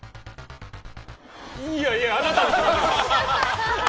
いやいや、あなたです。